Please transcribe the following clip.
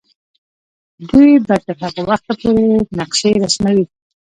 دوی به تر هغه وخته پورې نقشې رسموي.